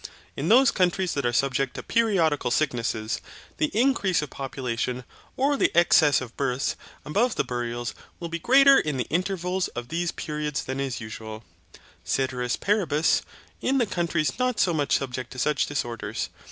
In those countries that are subject to periodical sicknesses, the increase of population, or the excess of births above the burials, will be greater in the intervals of these periods than is usual, caeteris paribus, in the countries not so much subject to such disorders.